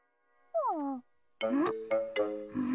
うん？